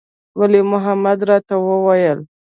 ولي محمد راته وويل.